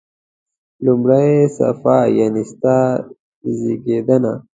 لومړی صفحه: یعنی ستا زیږېدنه.